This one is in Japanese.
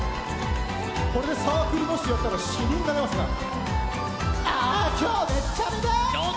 これでサークルもしやったら死人が出ますから。